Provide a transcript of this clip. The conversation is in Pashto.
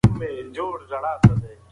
هره پېښه لیکل شوې ده.